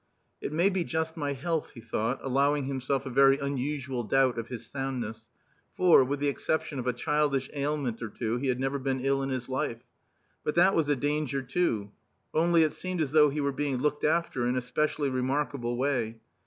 "It may be just my health," he thought, allowing himself a very unusual doubt of his soundness; for, with the exception of a childish ailment or two, he had never been ill in his life. But that was a danger, too. Only, it seemed as though he were being looked after in a specially remarkable way.